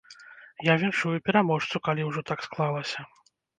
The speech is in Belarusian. Я віншую пераможцу, калі ўжо так склалася.